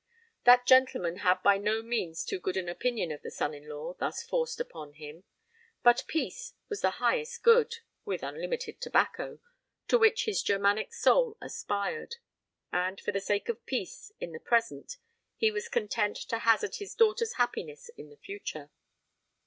That gentleman had by no means too good an opinion of the son in law thus forced upon him; but peace was the highest good (with unlimited tobacco) to which his Germanic soul aspired; and for the sake of peace in the present he was content to hazard his daughter's happiness in the future.